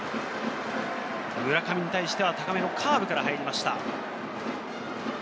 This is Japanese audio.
村上に対しては高めのカーブから入りました。